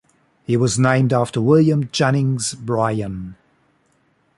He was named after William Jennings Bryan.